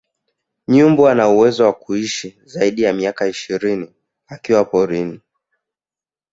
Nyumbu anauwezo wa kuishi zaidi ya miaka ishirini akiwa porini